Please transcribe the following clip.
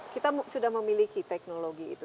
kita sudah memiliki teknologi itu